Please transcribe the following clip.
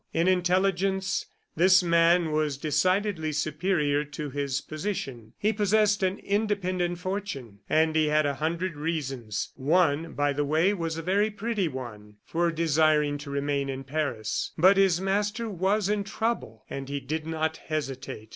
In intelligence, this man was decidedly superior to his position; he possessed an independent fortune, and he had a hundred reasons one, by the way, was a very pretty one for desiring to remain in Paris; but his master was in trouble, and he did not hesitate.